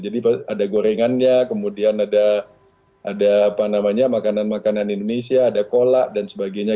jadi ada gorengannya kemudian ada makanan makanan indonesia ada cola dan sebagainya